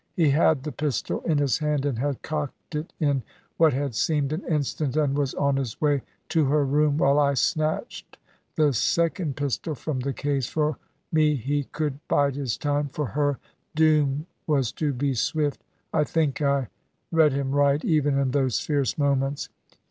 He had the pistol in his hand and had cocked it in what had seemed an instant, and was on his way to her room while I snatched the second pistol from the case. For me he could bide his time. For her, doom was to be swift. I think I read him right even in those fierce moments.